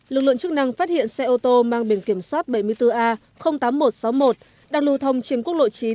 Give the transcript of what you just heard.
lực lượng chức năng phát hiện xe ô tô mang biển kiểm soát bảy mươi bốn a tám nghìn một trăm sáu mươi một đang lưu thông trên quốc lộ chín